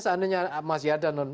seandainya masih ada